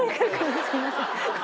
すいません。